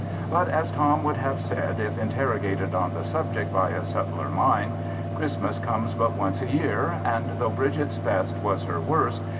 But as Tom would have said if interrogated on the subject by a subtler mind, Christmas comes but once a year, and though Bridget's best was her worst